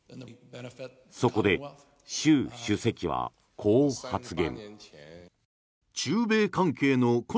そこで習主席はこう発言。